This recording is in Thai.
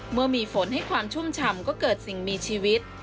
เมื่อมีฝนให้ความชุ่มฉ่ำก็เกิดสิ่งมีชีวิต